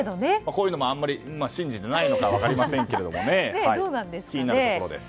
こういうのもあまり信じていないのかも分かりませんが気になるところです。